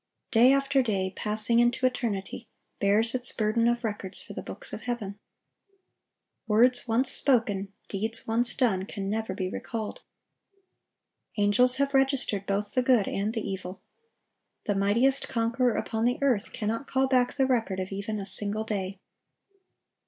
Day after day, passing into eternity, bears its burden of records for the books of heaven. Words once spoken, deeds once done, can never be recalled. Angels have registered both the good and the evil. The mightiest conqueror upon the earth cannot call back the record of even a single day.